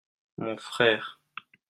mon frère.